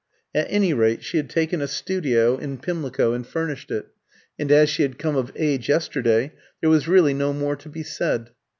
At any rate, she had taken a studio in Pimlico and furnished it, and as she had come of age yesterday, there was really no more to be said.